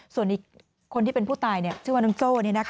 ส่วนอีกคนที่เป็นผู้ตายชื่อว่าน้องโจ้